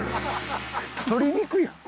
鶏肉やん。